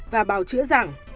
và bảo chữa rằng